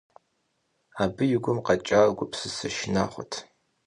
Абы и гум къэкӀар гупсысэ шынагъуэт.